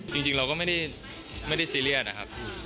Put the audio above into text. จริงเราก็ไม่ได้ซีเรียสนะครับ